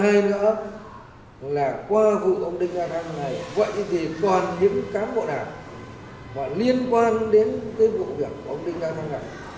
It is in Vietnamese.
cái thứ hai nữa là qua vụ ông đinh nga thăng này vậy thì toàn hiểm cám bộ đảng và liên quan đến cái vụ việc của ông đinh nga thăng này